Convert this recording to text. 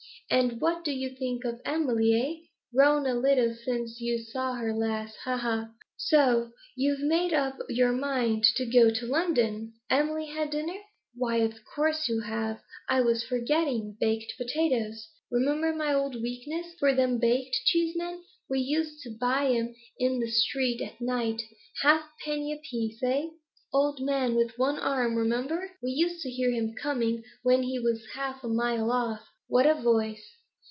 And what do you think of Emily, eh? Grown a little since you saw her last ha, ha! So you've made up your mind to go to London? Emily had dinner? Why, of course you have; I was forgetting. Baked potatoes! Remember my old weakness for them baked, Cheeseman? We used to buy 'em in the street at night, halfpenny apiece, eh? Old man with one arm, remember? We used to hear him coming when he was half a mile off; what a voice!